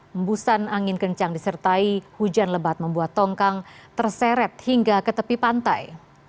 embusan angin kencang disertai hujan lebat membuat tongkang terseret hingga ke tepi pantai